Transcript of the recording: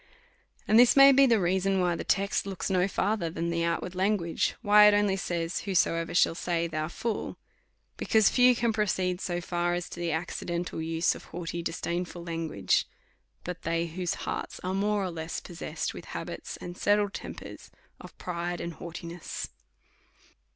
And this may be the reason, why the text looks no far ther than the outward language ; why it only says. Whosoever shall say. Thou fool ; because few can proceed so far, as to the accidental use of haughty, disdainful language, but they whose hearts are more or less possessed with habits and settled tempers of pride and haughtiness.